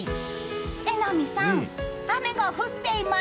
榎並さん、雨が降っています。